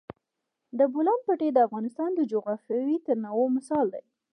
د بولان پټي د افغانستان د جغرافیوي تنوع مثال دی.